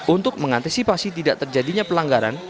untuk mengantisipasi tidak terjadinya pelanggaran